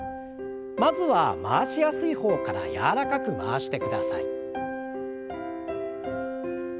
まずは回しやすい方から柔らかく回してください。